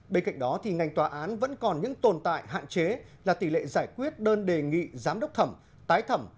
bên cạnh đó ngành tòa án vẫn còn những tồn tại hạn chế là tỷ lệ giải quyết đơn đề nghị giám đốc thẩm tái thẩm